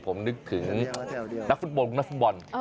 ผมนึกถึงนักฟันบนนักฟันวัน